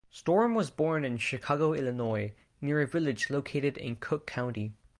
Storm was born in Chicago, Illinois, near a village located in Cook County.